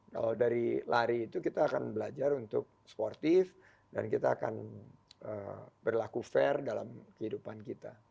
nah dari lari itu kita akan belajar untuk sportif dan kita akan berlaku fair dalam kehidupan kita